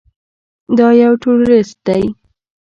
دا يو ټروريست دى.